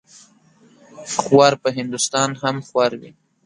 خوار په هندوستان هم خوار وي.